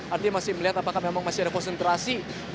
artinya masih melihat apakah memang masih ada posisi yang bergantian